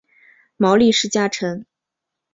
毛利氏家臣。